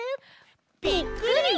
ぴっくり！